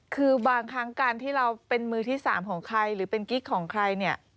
คือบางครั้งการที่เราเป็นมือที่๓ของใครหรือเป็นกิ๊กของใครเนี่ย